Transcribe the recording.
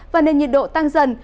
và nền nhiệt độ tăng dần